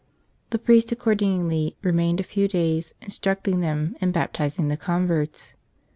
The priest accordingly remained a few days, instructing them and baptizing the converts.